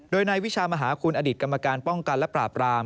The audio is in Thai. โดยนายวิชามหาคุณอดีตกรรมการป้องกันและปราบราม